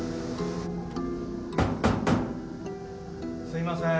すいません。